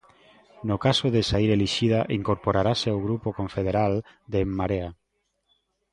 No caso de saír elixida incorporarase ao grupo confederal de En Marea?